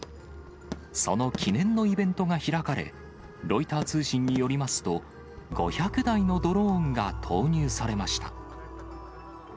その記念のイベントが開かれ、ロイター通信によりますと、５００台のドローンが投入されました。